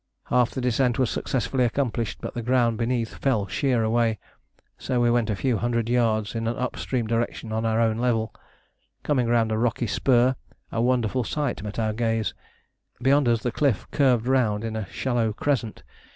Half the descent was successfully accomplished, but the ground beneath fell sheer away; so we went a few hundred yards in an up stream direction on our own level. Coming round a rocky spur a wonderful sight met our gaze. Beyond us the cliff curved round in a shallow crescent.